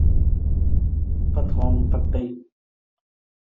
不亢不卑